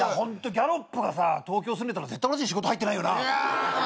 ギャロップがさ東京住んでたら絶対仕事入ってないよな？